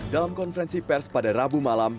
dalam konferensi pers pada rabu malam